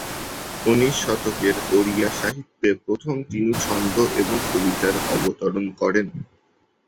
উনিশ শতকের ওড়িয়া সাহিত্যে প্রথম তিনি ছন্দ এবং কবিতার অবতরণ করেন।